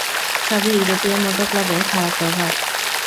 সবই ইউরোপীয় মোটর ক্লাবের খারাপ প্রভাব।